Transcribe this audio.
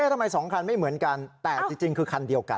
ทำไม๒คันไม่เหมือนกันแต่จริงคือคันเดียวกัน